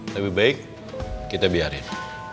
lebih baik kita biarin